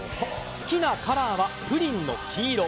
好きなカラーはプリンの黄色。